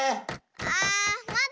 あまって！